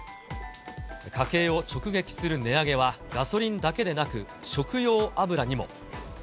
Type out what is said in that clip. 家計を直撃する値上げはガソリンだけでなく、食用油にも。